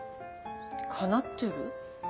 かなってる？